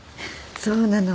そうなの。